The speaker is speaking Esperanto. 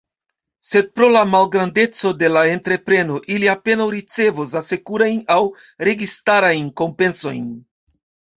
Sed pro la malgrandeco de la entrepreno, ili apenaŭ ricevos asekurajn aŭ registarajn kompensojn.